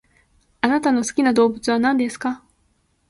あなたの好きな動物は何ですか？